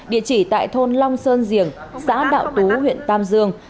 địa chỉ tại thôn long sơn giềng xã đạo tú huyện tam dương